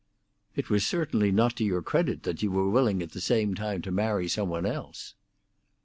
"It was certainly not to your credit that you were willing at the same time to marry some one else."